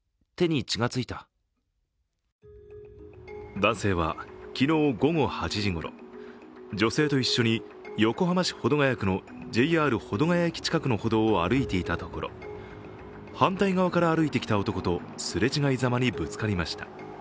男性は昨日午後８時ごろ、女性と一緒に横浜市保土ケ谷区のＪＲ保土ケ谷駅近くの歩道を歩いていたところ、反対側から歩いてきた男とすれ違いざまにぶつかりました。